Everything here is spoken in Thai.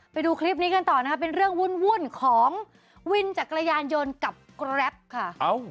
ไปดูคลิปนี้กันต่อนะคะเป็นเรื่องวุ่นของวินจักรยานยนต์กับแกรปค่ะ